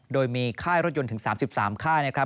โดยมีค่ายรถยนต์ถึง๓๓ค่า